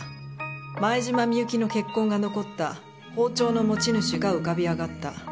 「前島美雪の血痕が残った包丁の持ち主が浮かび上がった」